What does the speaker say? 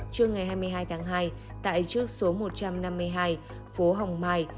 trưa ngày hai mươi hai tháng hai tại trước số một trăm năm mươi hai phố hồng mai